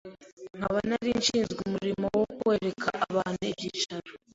nkaba nari nshinzwe umurimo wo kwereka abantu ibyicaro